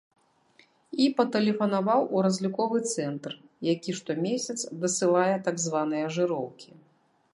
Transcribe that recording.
І патэлефанаваў у разліковы цэнтр, які штомесяц дасылае так званыя жыроўкі.